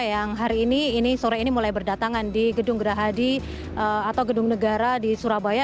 yang hari ini ini sore ini mulai berdatangan di gedung gerahadi atau gedung negara di surabaya